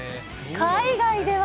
海外では。